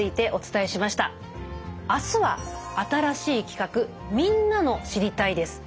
明日は新しい企画「みんなの『知りたい！』」です。